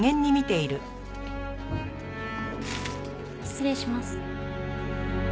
失礼します。